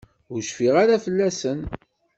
Ur cfiɣ ara fell-asen.